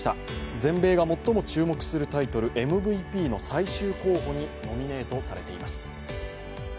全米が最も注目するタイトルＭＶＰの最終候補にノミネートされています。